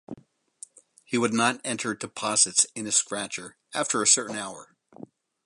He would not enter deposits in his scratcher after a certain hour.